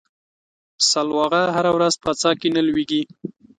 سلواغه هره ورځ په څا کې نه ولېږي.